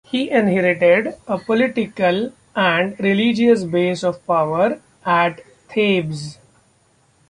He inherited a political and religious base of power at Thebes.